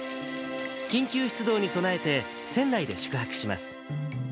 緊急出動に備えて船内で宿泊します。